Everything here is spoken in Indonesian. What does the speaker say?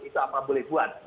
itu apa boleh buat